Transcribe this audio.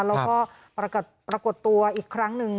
แล้วก็ปรากฏตัวอีกครั้งหนึ่ง